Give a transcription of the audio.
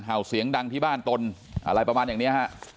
เห่าเสียงดังที่บ้านตนอะไรประมาณอย่างนี้ฮะ